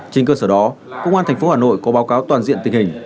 trên cơ sở đó công an tp hà nội có báo cáo toàn diện tình hình